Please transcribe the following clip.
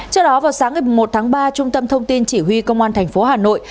trước đó vào sáng ngày một tháng ba trung tâm thông tin chỉ huy công an thành phố hà nội